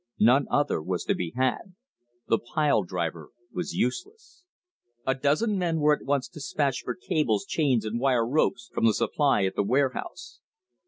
None other was to be had. The pile driver was useless. A dozen men were at once despatched for cables, chains, and wire ropes from the supply at the warehouse.